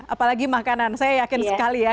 apalagi makanan saya yakin sekali ya